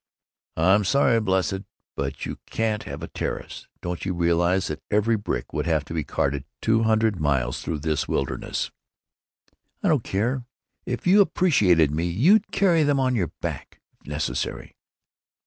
"I'm sorry, blessed, but you can't have a terrace. Don't you realize that every brick would have to be carted two hundred miles through this wilderness?" "I don't care. If you appreciated me you'd carry them on your back, if necessary."